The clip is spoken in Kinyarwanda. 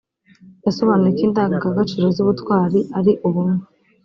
yasobanuye ko indangagaciro z’ubutwari ari ubumwe